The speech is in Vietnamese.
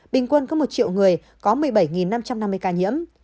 bình quân có một triệu người có một mươi bảy năm trăm năm mươi ca nhiễm